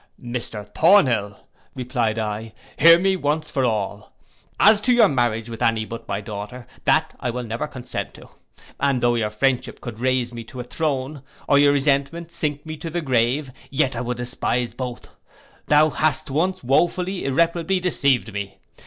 'Mr Thornhill,' replied I, 'hear me once for all: as to your marriage with any but my daughter, that I never will consent to; and though your friendship could raise me to a throne, or your resentment sink me to the grave, yet would I despise both. Thou hast once wofully, irreparably, deceived me.